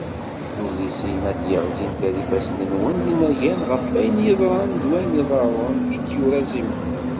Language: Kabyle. "Tullisin-a d-yeɣlin ger yifassen-nwen d inagan ɣef wayen yeḍran d wayen d-iḍerrun" i d-yura Zimu.